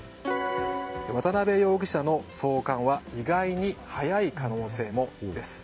渡辺容疑者の送還は意外に早い可能性も。